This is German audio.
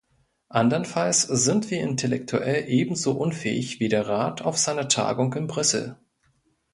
Andernfalls sind wir intellektuell ebenso unfähig wie der Rat auf seiner Tagung in Brüssel.